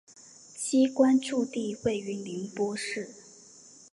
机关驻地位于宁波市。